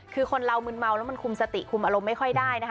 คือคนเรามืนเมาแล้วมันคุมสติคุมอารมณ์ไม่ค่อยได้นะคะ